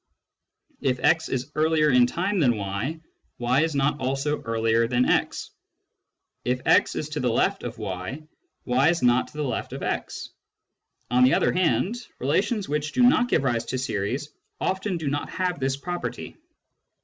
If * is earlier in time than y, y is not also earlier than x. If x is to the left of y, y is not to the left of x. On the other hand, relations which do not give rise to series often do not have this property.